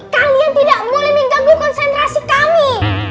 kami tidak boleh mengganggu konsentrasi kami